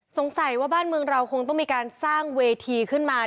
สงสัยว่าบ้านเมืองเราคงต้องมีการสร้างเวทีขึ้นมา